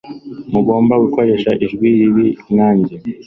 Ntugomba gukoresha ijwi ribi nkanjye.